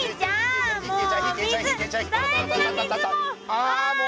ああもう！